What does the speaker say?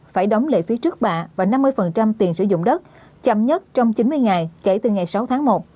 phải đóng lệ phí trước bạ và năm mươi tiền sử dụng đất chậm nhất trong chín mươi ngày kể từ ngày sáu tháng một